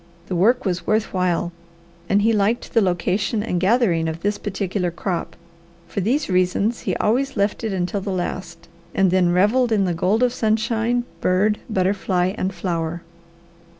The work was worth while, and he liked the location and gathering of this particular crop: for these reasons he always left it until the last, and then revelled in the gold of sunshine, bird, butterfly, and flower.